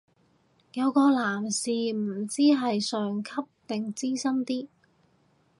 有個男士唔知係上級定資深啲